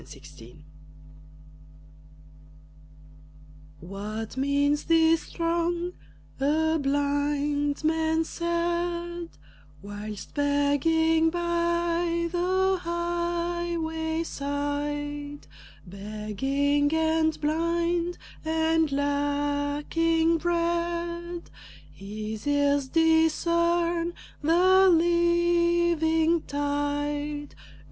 BARTIMÆUS "What means this throng?" a blind man said, Whilst begging by the highway side; Begging and blind, and lacking bread, His ears discern the living tide.